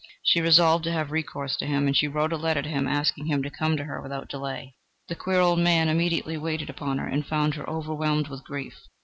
She resolved to have recourse to him, and she wrote a letter to him asking him to come to her without delay. The queer old man immediately waited upon her and found her overwhelmed with grief.